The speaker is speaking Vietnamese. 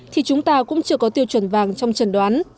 thì chúng ta cũng chưa có tiêu chuẩn vàng trong trần đoán